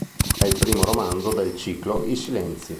È il primo romanzo del ciclo "I Silenzi".